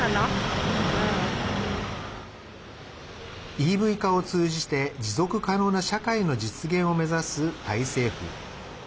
ＥＶ化を通じて、持続可能な社会の実現を目指すタイ政府。